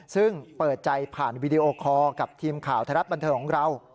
ซึ่งเปิดใจผ่านวีดีโอคอร์กับทีมข่าวไทยรัฐบันเทิงของเรา